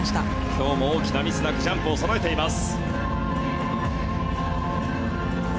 今日も大きなミスなくジャンプをそろえています。